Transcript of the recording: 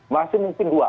masih mungkin dua